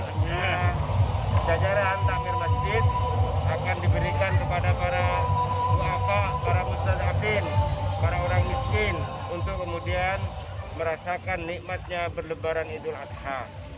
saya jajaran tamir masjid akan diberikan kepada para buah pak para mustadabin para orang miskin untuk kemudian merasakan nikmatnya berlebaran idul adha